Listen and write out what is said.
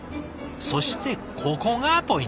そしてここがポイント。